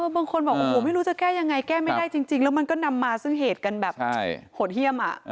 บางคนบอกโอ้โหไม่รู้จะแก้ยังไงแก้ไม่ได้จริงแล้วมันก็นำมาซึ่งเหตุกันแบบโหดเยี่ยม